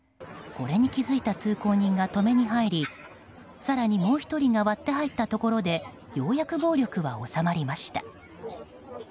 これに気付いた通行人が止めに入り更に、もう１人が割って入ったところでようやく暴力は収まりました。